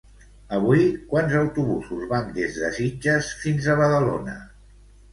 Avui quants autobusos van des de Sitges fins a Badalona?